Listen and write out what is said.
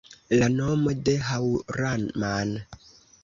La nomo de Haŭraman